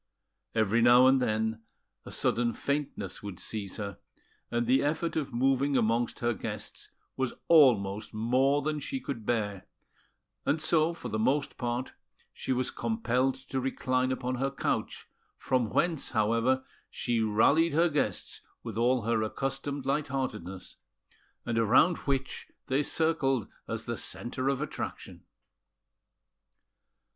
Every now and then a sudden faintness would seize her, and the effort of moving amongst her guests was almost more than she could bear; and so, for the most part, she was compelled to recline upon her couch, from whence, however she rallied her guests with all her accustomed light heartedness, and around which they circled as the centre of attraction.